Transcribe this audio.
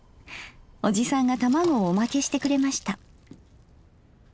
おじさんが卵をおまけしてくれました。